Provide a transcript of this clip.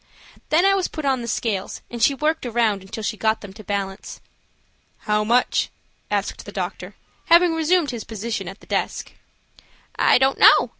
Then I was put on the scales, and she worked around until she got them to balance. "How much?" asked the doctor, having resumed his position at the desk. "I don't know.